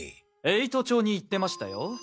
栄都町に行ってましたよ。